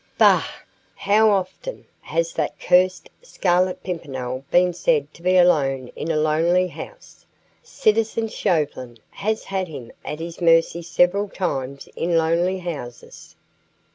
"Bah! How often has that cursed Scarlet Pimpernel been said to be alone in a lonely house? Citizen Chauvelin has had him at his mercy several times in lonely houses."